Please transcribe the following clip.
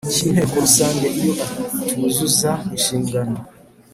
cy Inteko Rusange iyo atuzuza inshingano